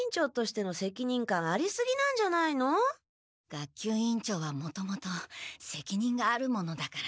学級委員長はもともとせきにんがあるものだから。